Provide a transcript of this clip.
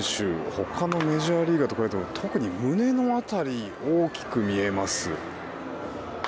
他のメジャーリーガーと比べても特に胸の辺り、大きく見えます。